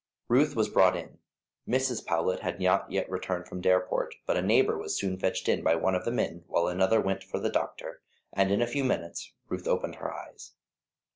Ruth was brought in. Mrs. Powlett had not yet returned from Dareport, but a neighbour was soon fetched in by one of the men while another went for the doctor, and in a few minutes Ruth opened her eyes.